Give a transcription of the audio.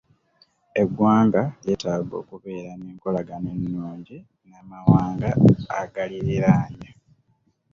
Eggwanga lyetaaga okubeera n'enkolagana ennungi n'amawanga agaliriraanye.